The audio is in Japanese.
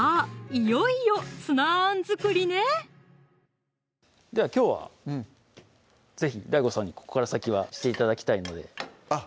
いよいよツナあん作りねではきょうは是非ＤＡＩＧＯさんにここから先はして頂きたいのであっ